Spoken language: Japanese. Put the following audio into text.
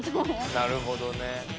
なるほどね。